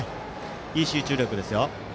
いい集中力です。